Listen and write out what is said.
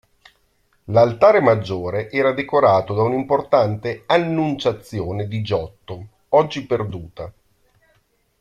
L'altare maggiore era decorato da un'importante "Annunciazione" di Giotto, oggi perduta.